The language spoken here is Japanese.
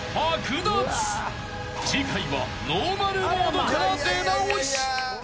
［次回はノーマルモードから出直し］